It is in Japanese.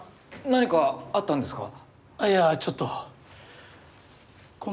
何があったんですか？